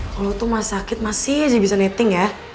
kalo lu tuh masih sakit masih aja bisa netting ya